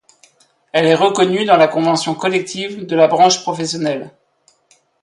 Elle est reconnue dans la convention collective de la branche professionnelle.